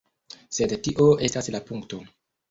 Sed tio estas la punkto.